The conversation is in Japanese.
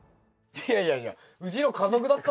いやいやいやうちの家族だったな。